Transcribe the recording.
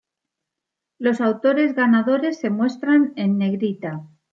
Los autores ganadores se muestran en negrita.